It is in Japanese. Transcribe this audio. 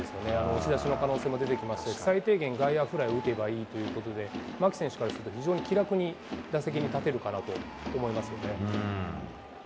押し出しの可能性も出てきますし、最低限、外野フライを打てばいいということで、牧選手からすると、非常に気楽に打席に立てるかなと思いますよね。